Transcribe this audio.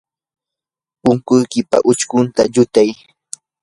punkuykipa uchkunta lutay.